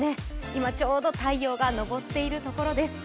今ちょうど太陽が昇っているところです。